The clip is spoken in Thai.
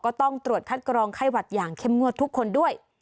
ก็ต้องตรวจคัดกรองไข้หวัดอย่างเข้มงวดทุกคนด้วย